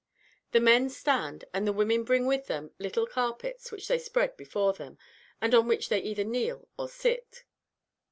The men stand, and the women bring with them little carpets, which they spread before them, and on which they either kneel or sit.